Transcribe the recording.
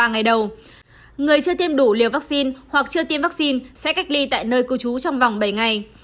người chưa tiêm đủ liều vaccine hoặc chưa tiêm vaccine sẽ cách ly tại nơi cung cấp trong vòng bảy ngày